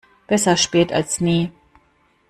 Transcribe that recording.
Besser spät als nie.